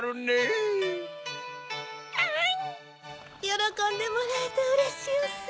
よろこんでもらえてうれしおす！